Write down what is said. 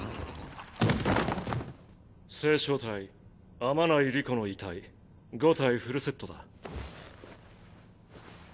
星漿体天内理子の遺体五体フルセットだ。